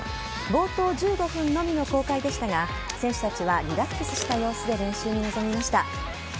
冒頭１５分のみの公開でしたが選手たちはリラックスした様子で練習に臨みました。